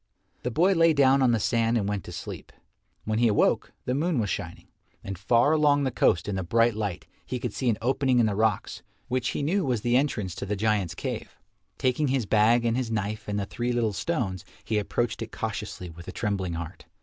The boy lay down on the sand and went to sleep. When he awoke, the moon was shining, and far along the coast in the bright light he could see an opening in the rocks which he knew was the entrance to the giants' cave. Taking his bag and his knife and the three little stones, he approached it cautiously with a trembling heart.